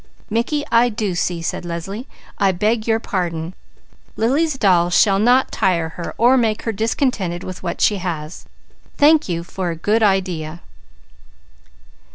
"Mickey, I do see!" said Leslie. "I beg your pardon. Lily's doll shall not tire her or make her discontented with what she has. Thank you for a good idea."